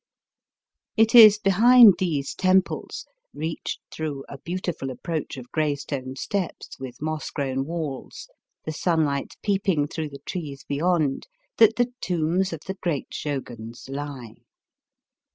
It is behind these temples, reached through a beautiful approach of gray stone steps, with moss grown walls, the sunlight peeping through the trees beyond, that the tomb of the great Shoguns lie.